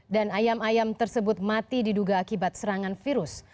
dan ayam ayam tersebut mati diduga akibat serangan virus